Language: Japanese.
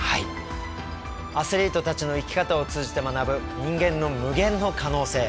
アスリートたちの生き方を通じて学ぶ人間の無限の可能性。